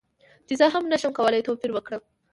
چې زه هم نشم کولی توپیر وکړم